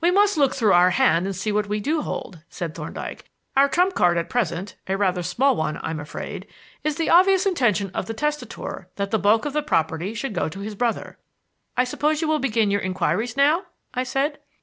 "We must look through our hand and see what we do hold," said Thorndyke. "Our trump card at present a rather small one, I'm afraid is the obvious intention of the testator that the bulk of the property should go to his brother." "I suppose you will begin your inquiries now?" I said.